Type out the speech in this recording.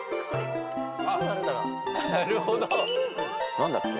何だっけ？